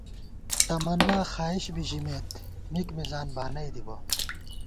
تمناں خائش بی ژمېت، مِک مِزان بانَئی دِبہ